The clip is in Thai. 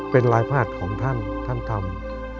เป็นลายพลาดของท่านท่านทำ